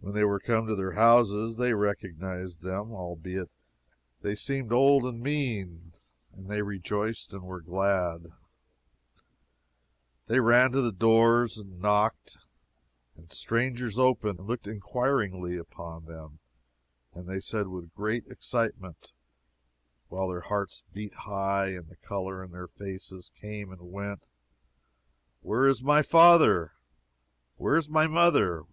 When they were come to their houses, they recognized them, albeit they seemed old and mean; and they rejoiced, and were glad. They ran to the doors, and knocked, and strangers opened, and looked inquiringly upon them. And they said, with great excitement, while their hearts beat high, and the color in their faces came and went, Where is my father? Where is my mother?